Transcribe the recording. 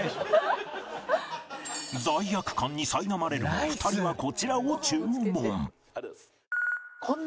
罪悪感にさいなまれるも２人はこちらを注文